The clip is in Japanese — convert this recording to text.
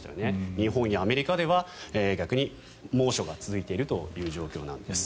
日本やアメリカでは逆に猛暑が続いているという状況なんです。